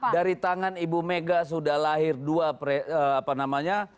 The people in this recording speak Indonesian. dari tangan ibu mega sudah lahir dua apa namanya